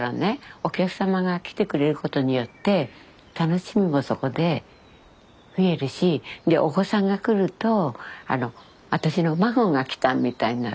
お客様が来てくれることによって楽しみもそこで増えるしでお子さんが来ると私の孫が来たみたいになるじゃないですか。